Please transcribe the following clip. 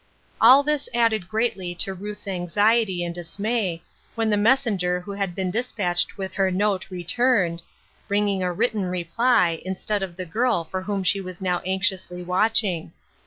All this added greatly to Ruth's anxiety and dismay, when the messenger who had been dis patched with her note returned, bringing a written reply, instead of the girl for whom she was now anxiously watching.